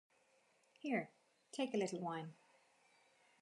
Here, take a little wine.